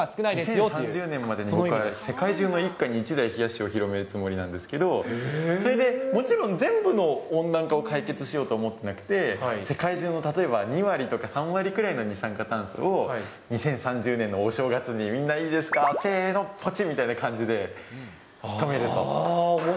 ２０３０年までに、僕は世界中に一家に１台ひやっしーを広めるつもりなんですけど、それでもちろん、全部の温暖化を解決しようと思ってなくて、世界中の例えば２割か３割くらいの二酸化炭素を２０３０年のお正月に、みんないいですか、せーの、ぽち、みたいな感じで止めろと。